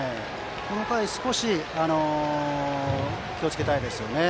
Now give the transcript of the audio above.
この回、少し気をつけたいですね。